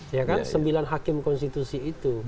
ya kan sembilan hakim konstitusi itu